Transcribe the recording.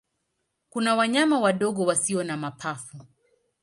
Kuna wanyama wadogo wasio na mapafu.